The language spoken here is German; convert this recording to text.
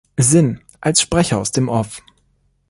Sinn", als Sprecher aus dem Off.